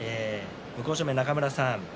向正面の中村さん